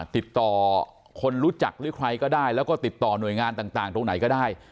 ติดต่อคนรู้จักหรือใครก็ได้แล้วก็ติดต่อหน่วยงานต่างตรงไหนก็ได้